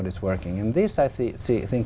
được tổ chức